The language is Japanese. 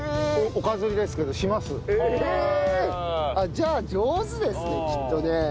じゃあ上手ですねきっとね。